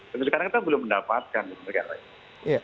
tapi sekarang kita belum mendapatkan dan sebagainya